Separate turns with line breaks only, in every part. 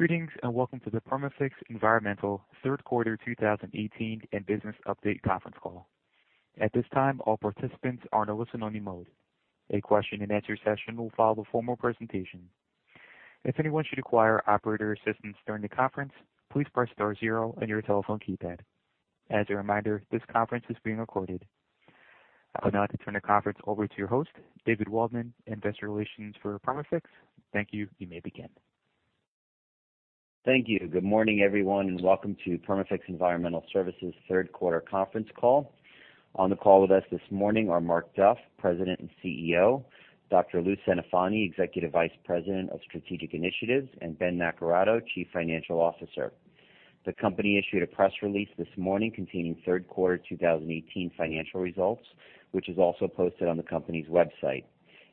Greetings, and welcome to the Perma-Fix Environmental Services third quarter 2018 and business update conference call. At this time, all participants are in a listen-only mode. A question-and-answer session will follow the formal presentation. If anyone should require operator assistance during the conference, please press star zero on your telephone keypad. As a reminder, this conference is being recorded. I would now like to turn the conference over to your host, David Waldman, Investor Relations for Perma-Fix. Thank you. You may begin.
Thank you. Good morning, everyone, and welcome to Perma-Fix Environmental Services third quarter conference call. On the call with us this morning are Mark Duff, President and CEO, Dr. Louis Centofanti, Executive Vice President of Strategic Initiatives, and Ben Naccarato, Chief Financial Officer. The company issued a press release this morning containing third quarter 2018 financial results, which is also posted on the company's website.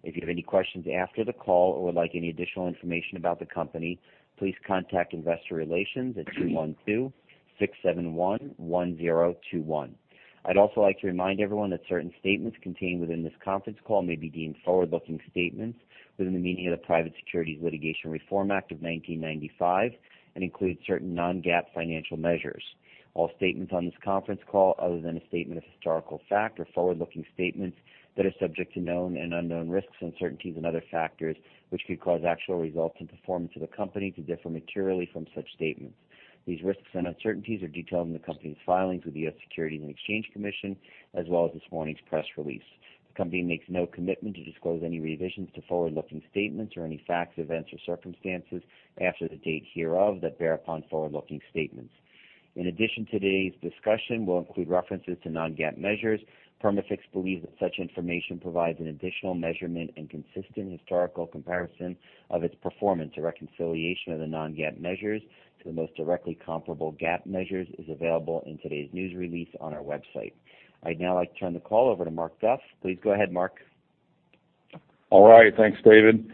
If you have any questions after the call or would like any additional information about the company, please contact Investor Relations at 312-671-1021. I'd also like to remind everyone that certain statements contained within this conference call may be deemed forward-looking statements within the meaning of the Private Securities Litigation Reform Act of 1995 and include certain non-GAAP financial measures. All statements on this conference call, other than a statement of historical fact, are forward-looking statements that are subject to known and unknown risks, uncertainties and other factors which could cause actual results and performance of the company to differ materially from such statements. These risks and uncertainties are detailed in the company's filings with the U.S. Securities and Exchange Commission, as well as this morning's press release. The company makes no commitment to disclose any revisions to forward-looking statements or any facts, events, or circumstances after the date hereof that bear upon forward-looking statements. In addition to today's discussion, we'll include references to non-GAAP measures. Perma-Fix believes that such information provides an additional measurement and consistent historical comparison of its performance. A reconciliation of the non-GAAP measures to the most directly comparable GAAP measures is available in today's news release on our website. I'd now like to turn the call over to Mark Duff. Please go ahead, Mark.
All right. Thanks, David.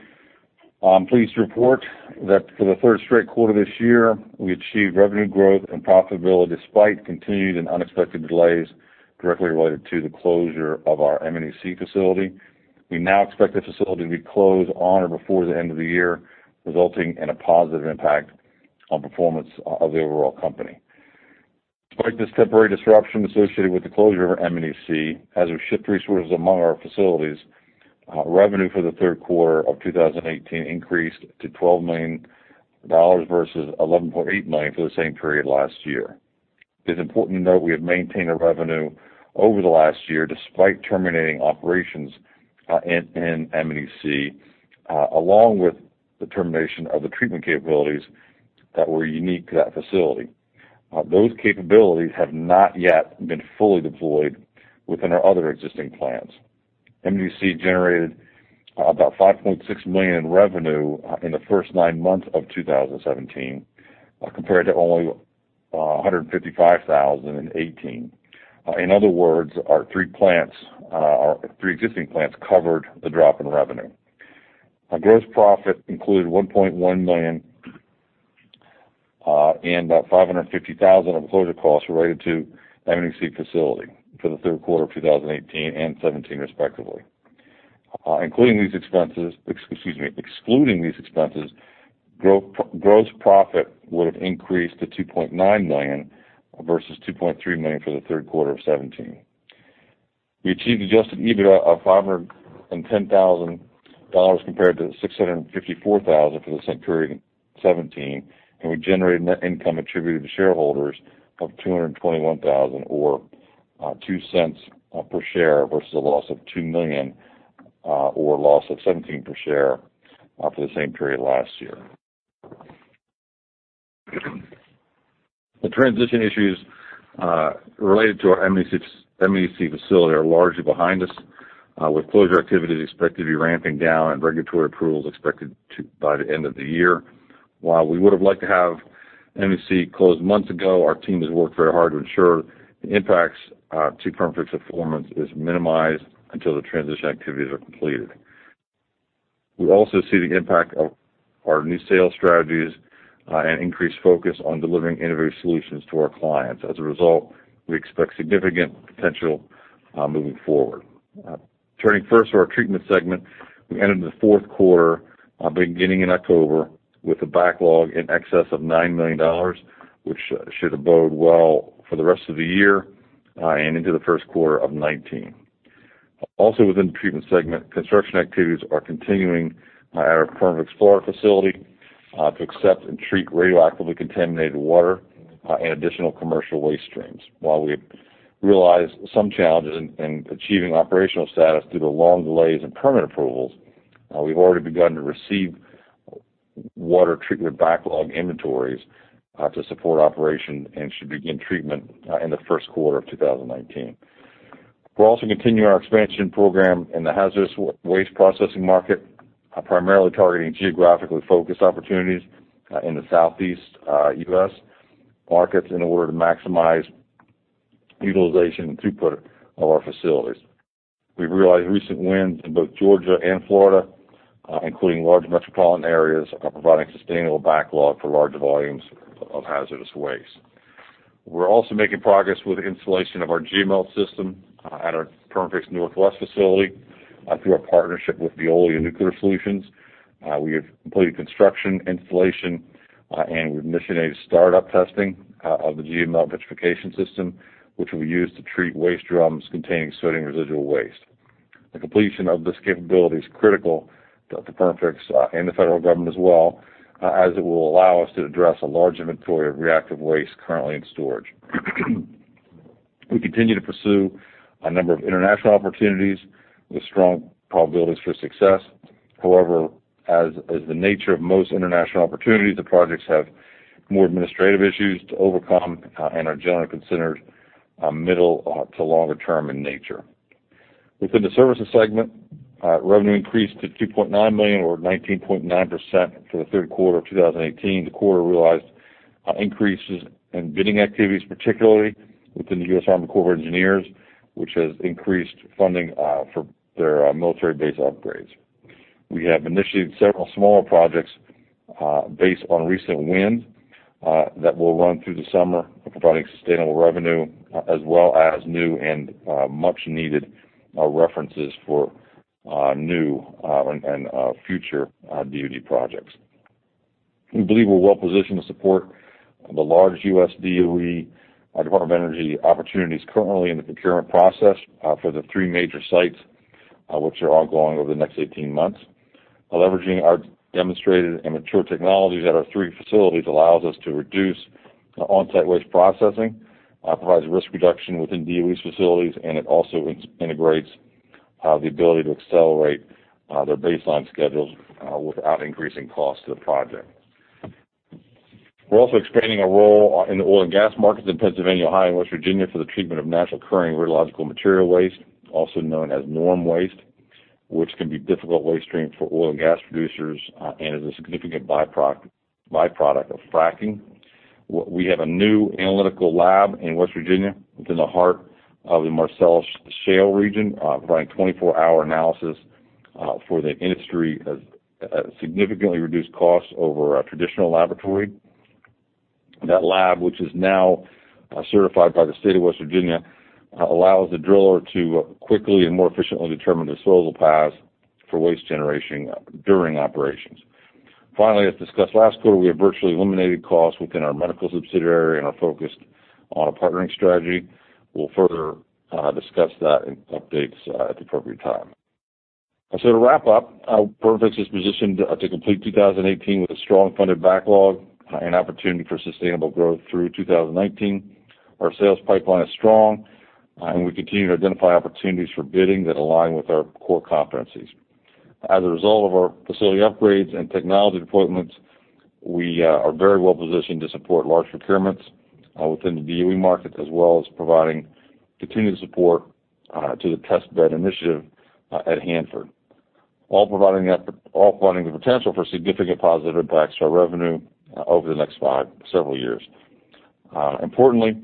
I'm pleased to report that for the third straight quarter this year, we achieved revenue growth and profitability despite continued and unexpected delays directly related to the closure of our M&EC facility. We now expect the facility to be closed on or before the end of the year, resulting in a positive impact on performance of the overall company. Despite this temporary disruption associated with the closure of our M&EC, as we've shipped resources among our facilities, revenue for the third quarter of 2018 increased to $12 million, versus $11.8 million for the same period last year. It is important to note we have maintained our revenue over the last year despite terminating operations in M&EC, along with the termination of the treatment capabilities that were unique to that facility. Those capabilities have not yet been fully deployed within our other existing plants. M&EC generated about $5.6 million in revenue in the first nine months of 2017, compared to only $155,000 in 2018. In other words, our three plants, our three existing plants covered the drop in revenue. Our gross profit included $1.1 million and about $550,000 of closure costs related to M&EC facility for the third quarter of 2018 and 2017 respectively. Excluding these expenses, gross profit would have increased to $2.9 million versus $2.3 million for the third quarter of 2017. We achieved adjusted EBITDA of $510,000 compared to $654,000 for the same period in 2017, and we generated net income attributed to shareholders of $221,000, or $0.02 per share versus a loss of $2 million, or a loss of $0.17 per share for the same period last year. The transition issues related to our M&EC facility are largely behind us, with closure activities expected to be ramping down and regulatory approvals expected by the end of the year. While we would have liked to have M&EC closed months ago, our team has worked very hard to ensure the impacts to Perma-Fix performance is minimized until the transition activities are completed. We also see the impact of our new sales strategies and increased focus on delivering innovative solutions to our clients. As a result, we expect significant potential moving forward. Turning first to our treatment segment, we entered the fourth quarter, beginning in October, with a backlog in excess of $9 million, which should bode well for the rest of the year and into the first quarter of 2019. Also within the treatment segment, construction activities are continuing at our Perma-Fix of Florida facility to accept and treat radioactively contaminated water and additional commercial waste streams. While we have realized some challenges in achieving operational status due to long delays in permit approvals, we've already begun to receive water treatment backlog inventories to support operation and should begin treatment in the first quarter of 2019. We'll also continue our expansion program in the hazardous waste processing market, primarily targeting geographically focused opportunities in the southeast, U.S. markets in order to maximize utilization and throughput of our facilities. We've realized recent wins in both Georgia and Florida, including large metropolitan areas are providing sustainable backlog for large volumes of hazardous waste. We're also making progress with installation of our GeoMelt system at our Perma-Fix Northwest facility through our partnership with Veolia Nuclear Solutions. We have completed construction, installation, and we've initiated startup testing of the GeoMelt vitrification system, which we use to treat waste drums containing certain residual waste. The completion of this capability is critical to Perma-Fix and the federal government as well, as it will allow us to address a large inventory of reactive waste currently in storage. We continue to pursue a number of international opportunities with strong probabilities for success. However, as the nature of most international opportunities, the projects have more administrative issues to overcome and are generally considered middle to longer term in nature. Within the services segment, revenue increased to $2.9 million or 19.9% for the third quarter of 2018. The quarter realized increases in bidding activities, particularly within the U.S. Army Corps of Engineers, which has increased funding for their military base upgrades. We have initiated several smaller projects based on recent win that will run through the summer, providing sustainable revenue as well as new and much needed references for new and future DOD projects. We believe we're well positioned to support the large U.S. DOE, Department of Energy, opportunities currently in the procurement process for the three major sites, which are ongoing over the next 18 months. Leveraging our demonstrated and mature technologies at our three facilities allows us to reduce onsite waste processing, provides risk reduction within DOE's facilities, and it also integrates the ability to accelerate their baseline schedules without increasing cost to the project. We're also expanding our role in the oil and gas markets in Pennsylvania, Ohio, and West Virginia for the treatment of Naturally Occurring Radioactive Material waste, also known as NORM waste, which can be difficult waste stream for oil and gas producers and is a significant byproduct of fracking. We have a new analytical lab in West Virginia within the heart of the Marcellus Shale region, providing 24-hour analysis for the industry at significantly reduced costs over a traditional laboratory. That lab, which is now certified by the state of West Virginia, allows the driller to quickly and more efficiently determine disposal paths for waste generation during operations. Finally, as discussed last quarter, we have virtually eliminated costs within our medical subsidiary and are focused on a partnering strategy. We'll further discuss that in updates at the appropriate time. To wrap up, Perma-Fix is positioned to complete 2018 with a strong funded backlog and opportunity for sustainable growth through 2019. Our sales pipeline is strong, and we continue to identify opportunities for bidding that align with our core competencies. As a result of our facility upgrades and technology deployments, we are very well positioned to support large procurements within the DOE market, as well as providing continued support to the Test Bed Initiative at Hanford, all providing the potential for significant positive impacts to our revenue over the next several years. Importantly,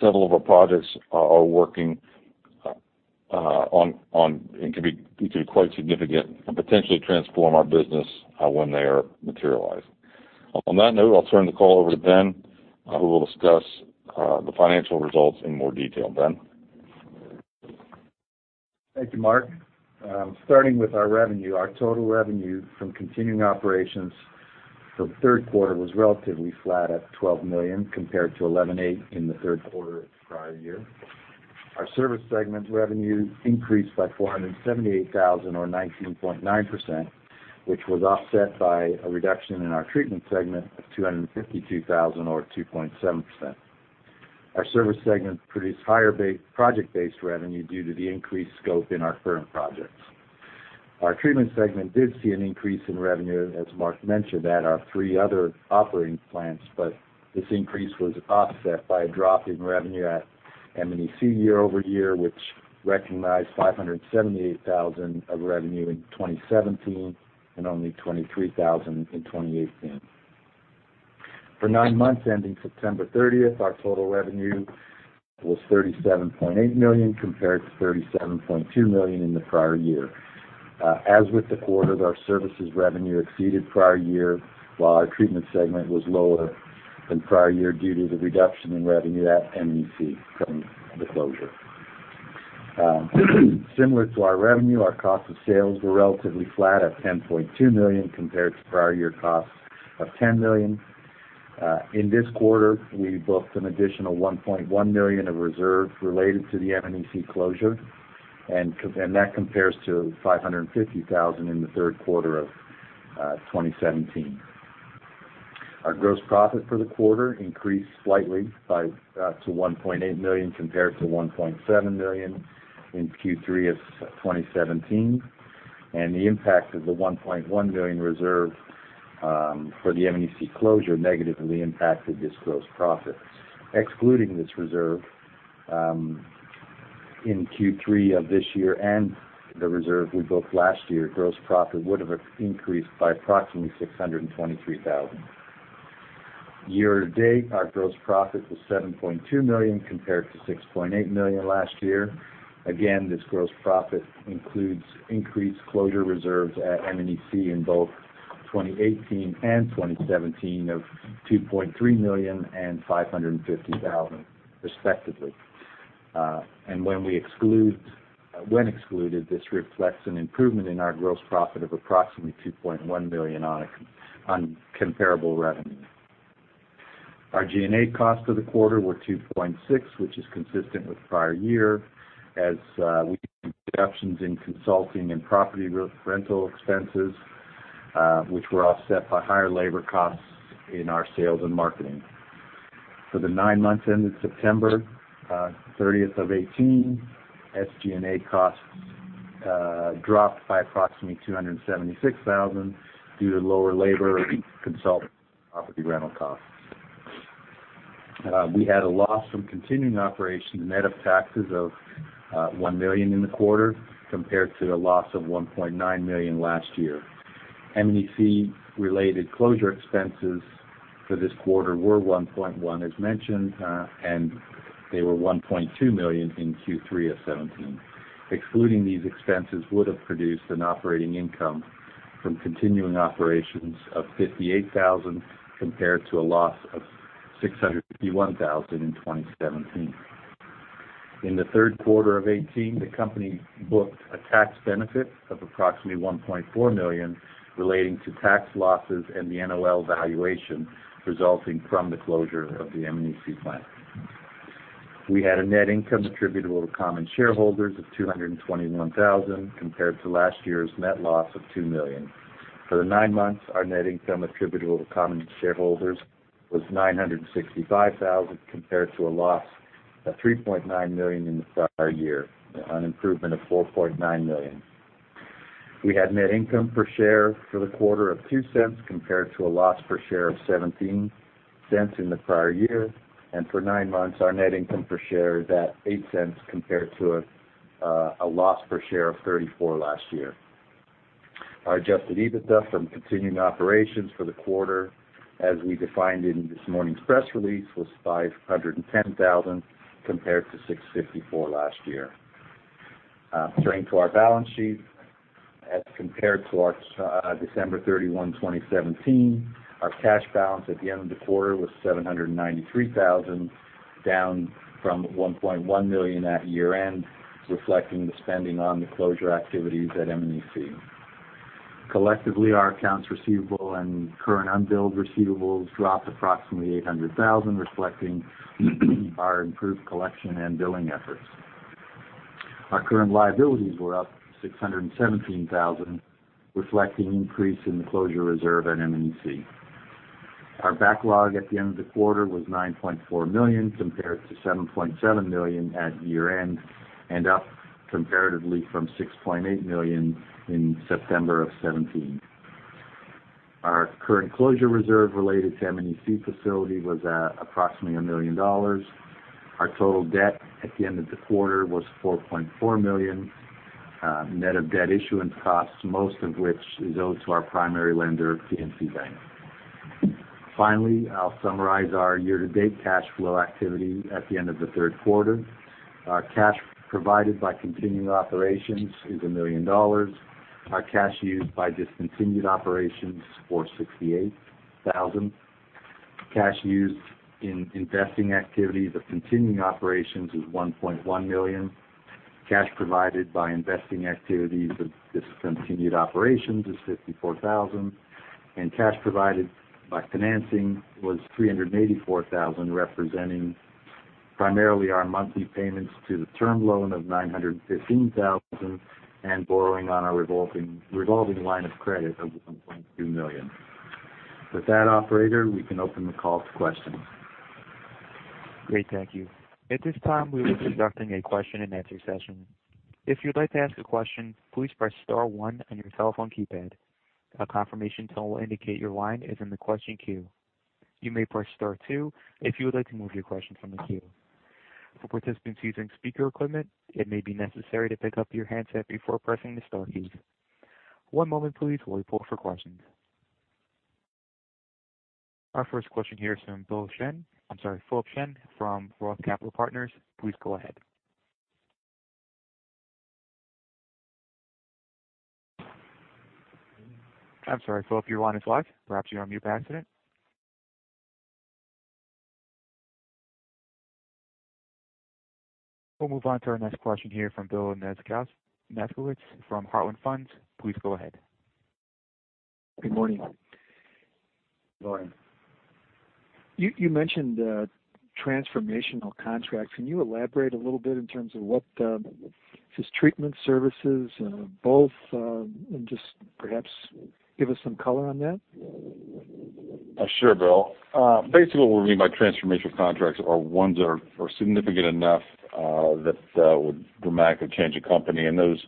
several of our projects are working on. It can be quite significant and potentially transform our business when they are materialized. On that note, I'll turn the call over to Ben, who will discuss the financial results in more detail. Ben?
Thank you, Mark. Starting with our revenue, our total revenue from continuing operations for the third quarter was relatively flat at $12 million compared to $11.8 million in the third quarter of the prior year. Our service segment revenue increased by $478,000 or 19.9%, which was offset by a reduction in our treatment segment of $252,000 or 2.7%. Our service segment produced higher project-based revenue due to the increased scope in our current projects. Our treatment segment did see an increase in revenue, as Mark mentioned, at our three other operating plants, This increase was offset by a drop in revenue at M&EC year-over-year, which recognized $578,000 of revenue in 2017 and only $23,000 in 2018. For nine months ending September 30th, our total revenue was $37.8 million compared to $37.2 million in the prior year. As with the quarter, our services revenue exceeded prior year, while our treatment segment was lower than prior year due to the reduction in revenue at M&EC from the closure. Similar to our revenue, our cost of sales were relatively flat at $10.2 million compared to prior year costs of $10 million. In this quarter, we booked an additional $1.1 million of reserves related to the M&EC closure, That compares to $550,000 in the third quarter of 2017. Our gross profit for the quarter increased slightly to $1.8 million compared to $1.7 million in Q3 of 2017. The impact of the $1.1 million reserve for the M&EC closure negatively impacted this gross profit. Excluding this reserve in Q3 of this year and the reserve we booked last year, gross profit would have increased by approximately $623,000. Year to date, our gross profit was $7.2 million compared to $6.8 million last year. Again, this gross profit includes increased closure reserves at M&EC in both 2018 and 2017 of $2.3 million and $550,000 respectively. When excluded, this reflects an improvement in our gross profit of approximately $2.1 million on comparable revenue. Our G&A costs for the quarter were $2.6 million, which is consistent with prior year as we see reductions in consulting and property rental expenses, which were offset by higher labor costs in our sales and marketing. For the nine months ended September 30th of 2018, SG&A costs dropped by approximately $276,000 due to lower labor, consultant, and property rental costs. We had a loss from continuing operations net of taxes of $1 million in the quarter, compared to the loss of $1.9 million last year. M&EC-related closure expenses for this quarter were $1.1, as mentioned, and they were $1.2 million in Q3 of 2017. Excluding these expenses would have produced an operating income from continuing operations of $58,000 compared to a loss of $651,000 in 2017. In the third quarter of 2018, the company booked a tax benefit of approximately $1.4 million relating to tax losses and the NOL valuation resulting from the closure of the M&EC plant. We had a net income attributable to common shareholders of $221,000 compared to last year's net loss of $2 million. For the nine months, our net income attributable to common shareholders was $965,000 compared to a loss of $3.9 million in the prior year, an improvement of $4.9 million. We had net income per share for the quarter of $0.02 compared to a loss per share of $0.17 in the prior year. For nine months, our net income per share is at $0.08 compared to a loss per share of $0.34 last year. Our adjusted EBITDA from continuing operations for the quarter, as we defined in this morning's press release, was $510,000, compared to $654,000 last year. Turning to our balance sheet, as compared to our December 31, 2017, our cash balance at the end of the quarter was $793,000, down from $1.1 million at year-end, reflecting the spending on the closure activities at M&EC. Collectively, our accounts receivable and current unbilled receivables dropped approximately $800,000, reflecting our improved collection and billing efforts. Our current liabilities were up $617,000, reflecting increase in the closure reserve at M&EC. Our backlog at the end of the quarter was $9.4 million, compared to $7.7 million at year-end, and up comparatively from $6.8 million in September of 2017. Our current closure reserve related to M&EC facility was approximately $1 million. Our total debt at the end of the quarter was $4.4 million, net of debt issuance costs, most of which is owed to our primary lender, PNC Bank. Finally, I'll summarize our year-to-date cash flow activity at the end of the third quarter. Our cash provided by continuing operations is $1 million. Our cash used by discontinued operations was $68,000. Cash used in investing activities of continuing operations was $1.1 million. Cash provided by investing activities of discontinued operations is $54,000, cash provided by financing was $384,000, representing primarily our monthly payments to the term loan of $915,000 and borrowing on our revolving line of credit of $1.2 million. With that, operator, we can open the call to questions.
Great, thank you. At this time, we will be conducting a question-and-answer session. If you'd like to ask a question, please press star one on your telephone keypad. A confirmation tone will indicate your line is in the question queue. You may press star two if you would like to remove your question from the queue. For participants using speaker equipment, it may be necessary to pick up your handset before pressing the star keys. One moment please while we poll for questions. Our first question here is from Philip Shen. I'm sorry, Philip Shen from Roth Capital Partners, please go ahead. I'm sorry, Phil, your line is live. Perhaps you're on mute by accident. We'll move on to our next question here from Bill Nygren from Heartland Funds. Please go ahead.
Good morning.
Morning.
You mentioned transformational contracts. Can you elaborate a little bit in terms of what Is treatment services, both? just perhaps give us some color on that.
Sure, Bill. Basically, what we mean by transformational contracts are ones that are significant enough that would dramatically change a company. those,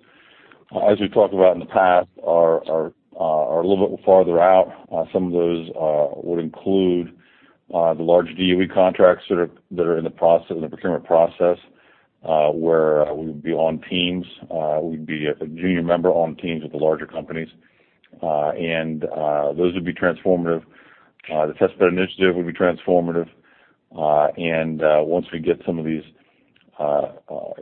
as we've talked about in the past, are a little bit farther out. Some of those would include the large DOE contracts that are in the procurement process, where we would be on teams. We'd be a junior member on teams with the larger companies. those would be transformative. The Test Bed Initiative would be transformative. once we get some of these, or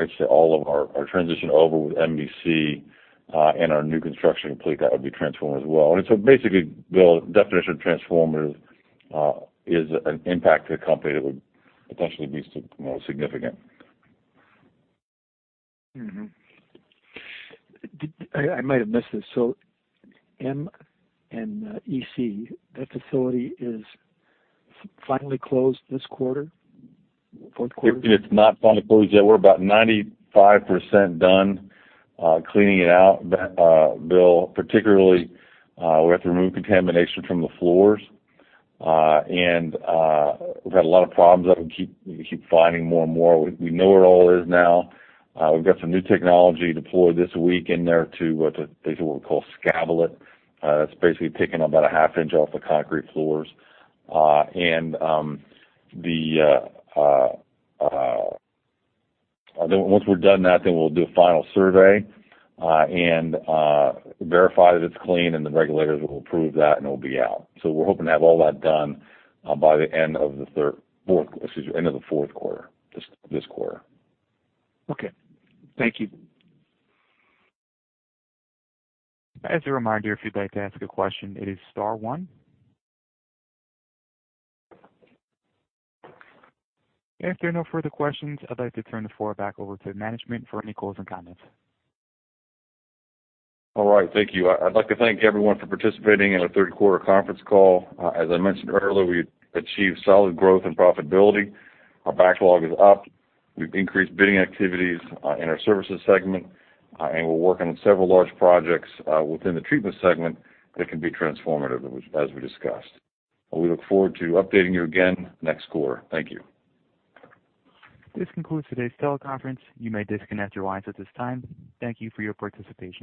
I'd say all of our transition over with M&EC our new construction complete, that would be transformative as well. basically, Bill, definition of transformative is an impact to the company that would potentially be significant.
I might have missed this. M&EC, that facility is finally closed this quarter, fourth quarter?
It's not finally closed yet. We're about 95% done cleaning it out, Philip. Particularly, we have to remove contamination from the floors. We've had a lot of problems with that. We keep finding more and more. We know where it all is now. We've got some new technology deployed this week in there to basically what we call scabbling it. It's basically taking about a half inch off the concrete floors. Once we're done with that, then we'll do a final survey and verify that it's clean and the regulators will approve that, and it'll be out. We're hoping to have all that done by the end of the fourth quarter, this quarter.
Okay. Thank you.
As a reminder, if you'd like to ask a question, it is star one. If there are no further questions, I'd like to turn the floor back over to management for any closing comments.
All right, thank you. I'd like to thank everyone for participating in our third quarter conference call. As I mentioned earlier, we achieved solid growth and profitability. Our backlog is up. We've increased bidding activities in our services segment, and we're working on several large projects within the treatment segment that can be transformative, as we discussed. We look forward to updating you again next quarter. Thank you.
This concludes today's teleconference. You may disconnect your lines at this time. Thank you for your participation.